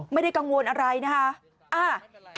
ไม่ได้กังวลอะไรนะคะ